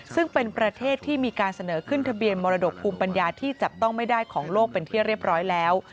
ซึ่งเป็นประเทศที่มีการเสนอขึ้นทะเบียนมรดกภูมิปัญญาที่จับต้องไม่ได้ของโลกเป็นที่เรียบร้อยแล้ว